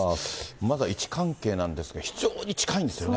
まずは位置関係なんですが、非常に近いんですよね。